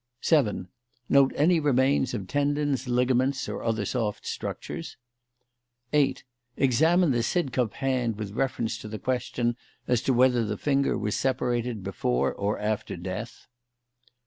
7. Note any remains of tendons, ligaments, or other soft structures. 8. Examine the Sidcup hand with reference to the question as to whether the finger was separated before or after death.